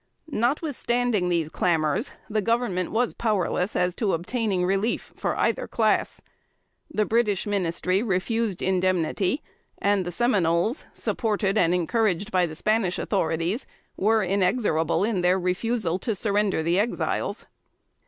Notwithstanding these clamors, the Government was powerless as to obtaining relief for either class. The British Ministry refused indemnity, and the Seminoles, supported and encouraged by the Spanish authorities, were inexorable in their refusal to surrender the Exiles.